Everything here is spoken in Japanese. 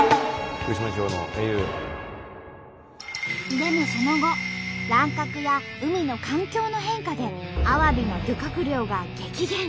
でもその後乱獲や海の環境の変化でアワビの漁獲量が激減。